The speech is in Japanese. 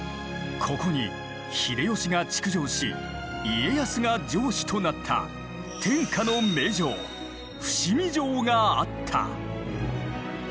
ここに秀吉が築城し家康が城主となった天下の名城伏見城があった。